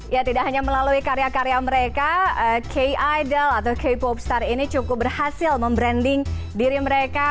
ya tidak hanya melalui karya karya mereka k idol atau k pop star ini cukup berhasil membranding diri mereka